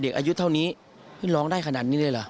อายุเท่านี้ร้องได้ขนาดนี้เลยเหรอ